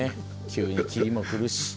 急に霧もくるし。